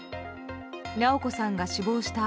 直子さんが死亡した